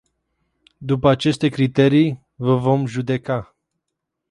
După aceste criterii vă vom judeca.